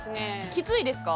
きついですか？